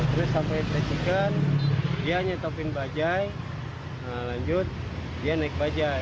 terus sampai tracing dia nyetopin bajai lanjut dia naik bajai